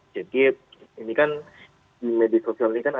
jadi ini kan di media sosial ini kan antara